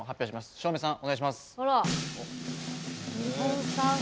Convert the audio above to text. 照明さん、お願いします。